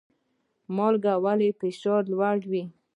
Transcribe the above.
مالګه ولې فشار لوړوي؟